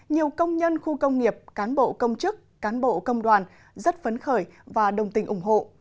nhiều công nhân khu công nghiệp cán bộ công chức cán bộ công đoàn rất phấn khởi và đồng tình ủng hộ